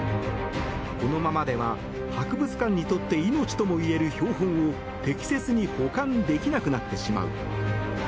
このままでは、博物館にとって命ともいえる標本を適切に保管できなくなってしまう。